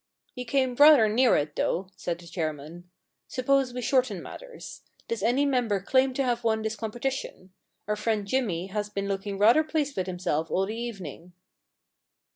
You came rather near to it, though,' said the chairman. * Suppose we shorten matters.. Does any member claim to have won this competition ? Our friend Jimmy has been looking rather pleased with himself all the evening.'